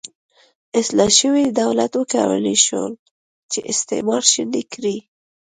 اصلاح شوي دولت وکولای شول چې استعمار شنډ کړي.